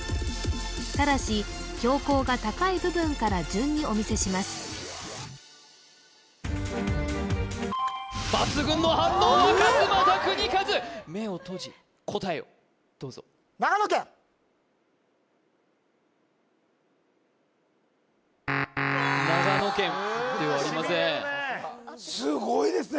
ただし標高が高い部分から順にお見せします抜群の反応は勝俣州和目を閉じ答えをどうぞ長野県ではありませんすごいですね